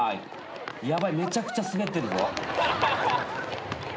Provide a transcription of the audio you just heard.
めちゃくちゃスベってるぞ。